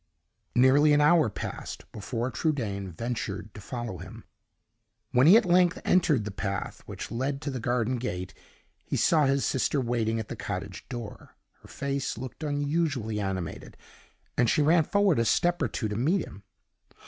Nearly an hour passed before Trudaine ventured to follow him. When he at length entered the path which led to the garden gate, he saw his sister waiting at the cottage door. Her face looked unusually animated; and she ran forward a step or two to meet him.